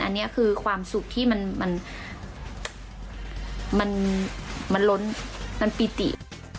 อันนี้คือความสุขที่มันล้นมันปิติ